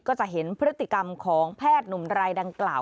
ก็จะเห็นพฤติกรรมของแพทย์หนุ่มรายดังกล่าว